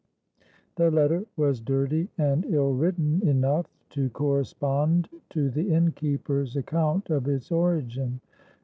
The letter was dirty and ill written enough to correspond to the innkeeper's account of its origin.